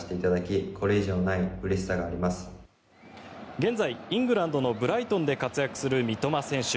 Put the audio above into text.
現在、イングランドのブライトンで活躍する三笘選手。